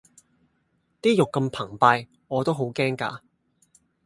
啲肉咁澎湃我都好驚㗎